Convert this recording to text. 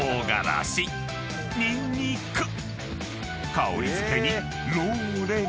［香り付けにローレル］